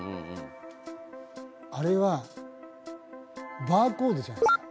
あれはバーコードじゃないですか？